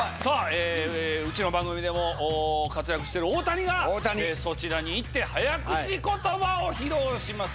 うちの番組でも活躍している大谷がそちらに行って早口言葉を披露します。